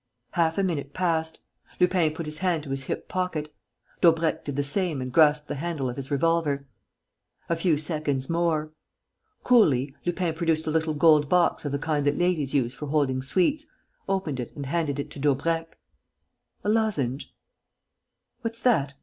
Half a minute passed. Lupin put his hand to his hip pocket. Daubrecq did the same and grasped the handle of his revolver. A few seconds more. Coolly, Lupin produced a little gold box of the kind that ladies use for holding sweets, opened it and handed it to Daubrecq: "A lozenge?" "What's that?"